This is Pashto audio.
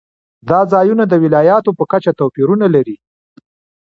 دا ځایونه د ولایاتو په کچه توپیرونه لري.